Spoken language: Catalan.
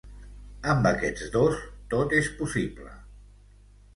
Amb aquests dos, tot és possible.